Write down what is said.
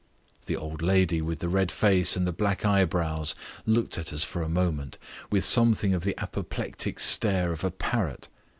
The old lady with the red face and the black eyebrows looked at us for a moment with something of the apoplectic stare of a parrot.